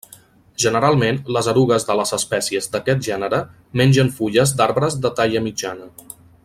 Generalment les erugues de les espècies d'aquest gènere mengen fulles d'arbres de talla mitjana.